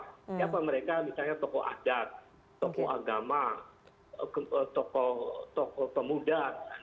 siapa mereka misalnya tokoh adat tokoh agama tokoh pemuda